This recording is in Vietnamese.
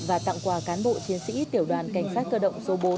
và tặng quà cán bộ chiến sĩ tiểu đoàn cảnh sát cơ động số bốn